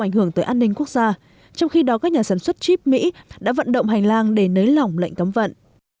ảnh hưởng tới an ninh quốc gia trong khi đó các nhà sản xuất chip mỹ đã vận động hành lang để nới lỏng lệnh cấm vận